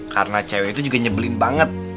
karena cewek itu juga nyebelin banget